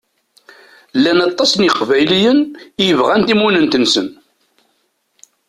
Llan aṭas n Iqbayliyen i yebɣan timunent-nsen.